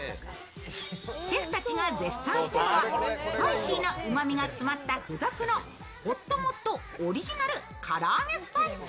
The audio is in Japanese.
シェフたちが絶賛したのはスパイシーなうまみが詰まった付属のほっともっとオリジナルから揚スパイス。